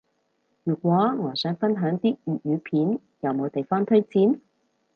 如果我想分享啲粵語片，有冇地方推薦？